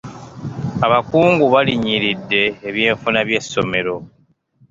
Abakungu balinyiridde eby'enfuna by'essomero.